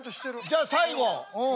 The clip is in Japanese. じゃあ最後。